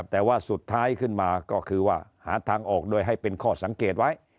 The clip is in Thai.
แต่ว่าสุดท้ายขึ้นมาก็คือว่าหาทางออกโดยให้เป็นข้อสังเกตไว้